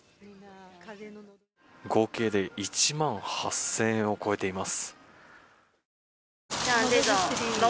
合計で１万８０００円を超えています。